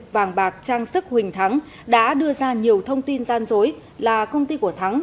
vàng bạc trang sức huỳnh thắng đã đưa ra nhiều thông tin gian dối là công ty của thắng